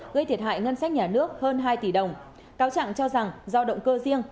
gây thiệt hại ngân sách nhà nước hơn hai tỷ đồng cáo trạng cho rằng do động cơ riêng